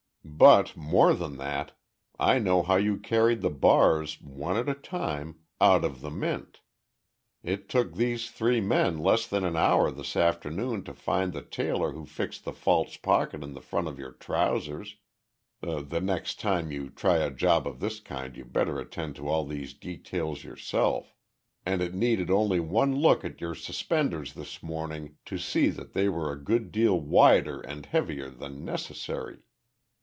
"But, more than that, I know how you carried the bars, one at a time, out of the Mint. It took these three men less than an hour this afternoon to find the tailor who fixed the false pocket in the front of your trousers the next time you try a job of this kind you better attend to all these details yourself and it needed only one look at your suspenders this morning to see that they were a good deal wider and heavier than necessary.